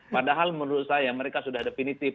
padahal menurut saya mereka sudah definitif